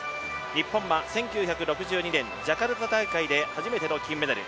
日本は１９６２年、ジャカルタ大会で初めての金メダル。